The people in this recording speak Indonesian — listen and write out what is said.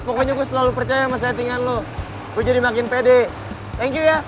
pokoknya gue selalu percaya sama settingan lo gue jadi makin pede thank you ya